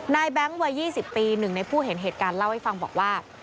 แบงค์วัย๒๐ปีหนึ่งในผู้เห็นเหตุการณ์เล่าให้ฟังบอกว่า